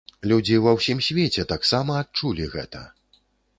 Людзі ва ўсім свеце таксама адчулі гэта.